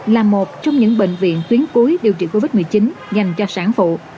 là một trong những bệnh viện tuyến cuối điều trị covid một mươi chín dành cho sản phụ